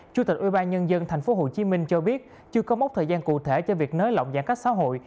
chủ tịch ubnd tp hcm cho biết chưa có mốc thời gian cụ thể cho việc nới lỏng giãn cách xã hội